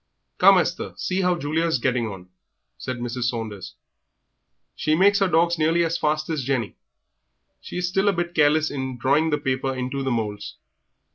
"Come, Esther, see how Julia is getting on," said Mrs. Saunders; "she makes her dogs nearly as fast as Jenny. She is still a bit careless in drawing the paper into the moulds.